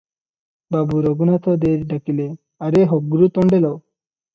ବାବୁ ରଘୁନାଥ ଦେ ଡାକିଲେ - "ଆରେ ହଗ୍ରୁ ତଣ୍ଡେଲ!